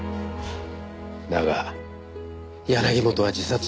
だが柳本は自殺した。